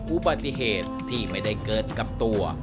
อุบัติเหตุที่ไม่ได้เกิดกับตัว